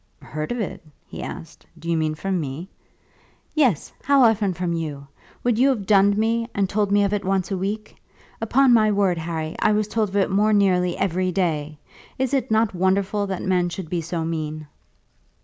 "Heard of it?" he asked. "Do you mean from me?" "Yes; how often from you? Would you have dunned me, and told me of it once a week? Upon my word, Harry, I was told of it more nearly every day. Is it not wonderful that men should be so mean?"